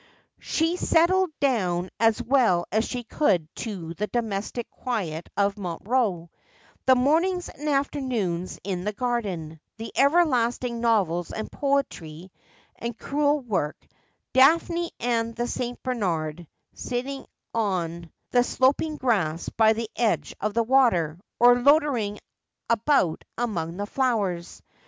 She settled down as well as she could to the domestic quiet of Montreux — the mornings and afternoons in the garden ; the everlasting novels and poetry and crewel work ; Daphne and the St. Bernard sitting on the sloping grass by the edge of the water, or loitering about among the flowers.